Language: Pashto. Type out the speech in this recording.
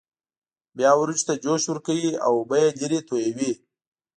بیا وریجو ته جوش ورکوي او اوبه یې لرې تویوي.